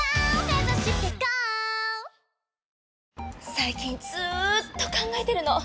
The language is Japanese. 最近ずっと考えてるの！